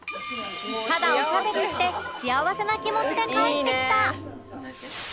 ただおしゃべりして幸せな気持ちで帰ってきた